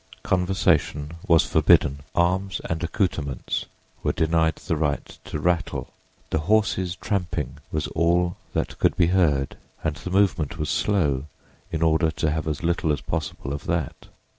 Conversation was forbidden; arms and accouterments were denied the right to rattle. The horses' tramping was all that could be heard and the movement was slow in order to have as little as possible of that.